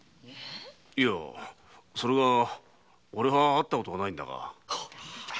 いやそれはおれは会ったことないんだが。